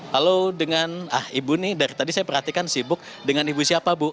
lalu dengan ah ibu nih dari tadi saya perhatikan sibuk dengan ibu siapa bu